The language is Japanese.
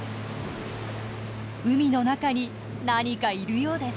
海の中に何かいるようです。